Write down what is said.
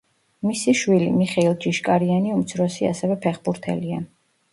მისი შვილი, მიხეილ ჯიშკარიანი უმცროსი ასევე ფეხბურთელია.